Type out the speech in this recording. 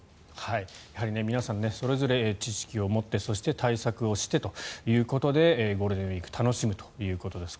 やはり皆さんそれぞれ知識を持ってそして、対策をしてということでゴールデンウィーク楽しむということです。